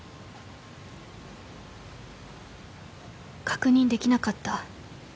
「確認できなかった」